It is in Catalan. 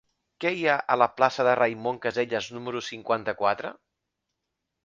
Què hi ha a la plaça de Raimon Casellas número cinquanta-quatre?